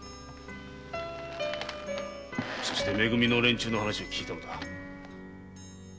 そして「め組」の連中の話を聞いたのだ。